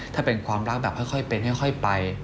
ถ้าเป็นความรักแบบค่อยเป็นค่อยไป